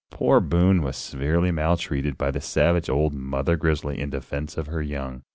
Poor Boone was severely maltreated by the savage old mother grizzly in defense of her young.